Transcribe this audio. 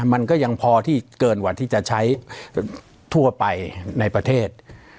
มันก็ยังพอที่เกินกว่าที่จะใช้ทั่วไปในประเทศ